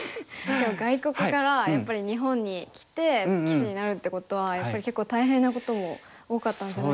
外国からやっぱり日本に来て棋士になるってことはやっぱり結構大変なことも多かったんじゃないですか。